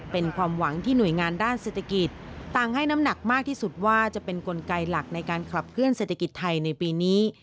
เป็นความหวังที่หน่วยงานด้านเศรษฐกิจต่างให้น้ำหนักมากที่สุดว่าจะเป็นกลไกหลักในการขับเคลื่อเศรษฐกิจไทยในปีนี้